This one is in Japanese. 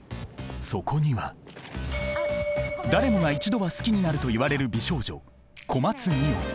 そこには誰もが一度は好きになるといわれる美少女小松澪。